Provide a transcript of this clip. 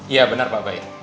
iya benar pak bay